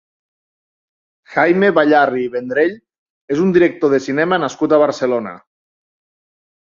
Jaime Bayarri i Vendrell és un director de cinema nascut a Barcelona.